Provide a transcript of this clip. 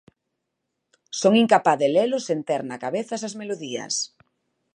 Son incapaz de lelos sen ter na cabeza esas melodías.